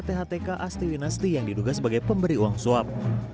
pt inersia adalah htk asti winasti yang diduga sebagai pemberi uang swap